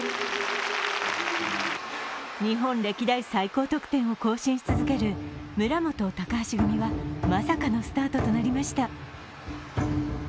日本歴代最高得点を更新し続ける村元・高橋組は、まさかのスタートとりました。